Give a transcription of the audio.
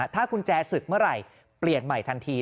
ถ้ากุญแจศึกเมื่อไหร่เปลี่ยนใหม่ทันที